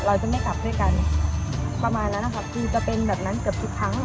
เราจะไม่กลับด้วยกันประมาณนั้นนะครับคือจะเป็นแบบนั้นเกือบทุกครั้ง